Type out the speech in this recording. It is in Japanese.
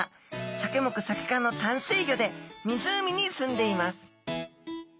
サケ目サケ科の淡水魚で湖にすんでいます。